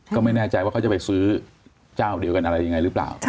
ก็ไม่แน่ใจว่าเขาจะไปซื้อเจ้าเดียวกันอะไรยังไงหรือเปล่า